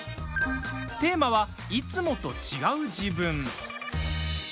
テーマは、いつもと違う自分。